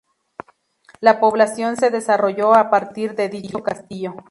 La población se desarrolló a partir de dicho castillo.